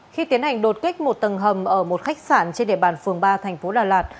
khi tiến hành đột kích một tầng hầm ở một khách sạn trên địa bàn phường ba thành phố đà lạt